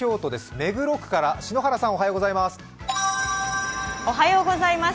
目黒区から篠原さん、おはようございます。